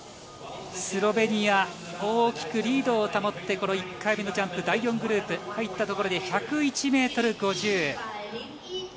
スロベニア大きくリードを保って１回目のジャンプ、第４グループ入ったところで１０１ｍ５０。